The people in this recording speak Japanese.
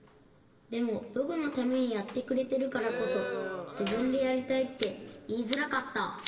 でもぼくのためにやってくれてるからこそじぶんでやりたいっていいづらかった。